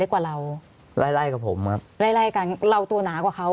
กว่าเราไล่ไล่กับผมครับไล่ไล่กันเราตัวหนากว่าเขา